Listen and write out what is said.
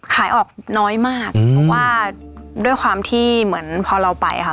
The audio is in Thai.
ขายออกน้อยมากเพราะว่าด้วยความที่เหมือนพอเราไปค่ะ